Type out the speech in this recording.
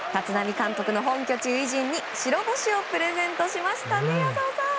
立浪監督の本拠地での初陣に白星をプレゼントしました。